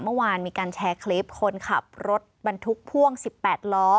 เมื่อวานมีการแชร์คลิปคนขับรถบรรทุกพ่วง๑๘ล้อ